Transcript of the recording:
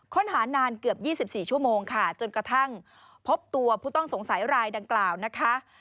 ค้นหานานเกือบ๒๔ชั่วโมงค่ะจนกระทั่งพบตัวผู้ต้องสงสัยรายดังกล่าวนะคะ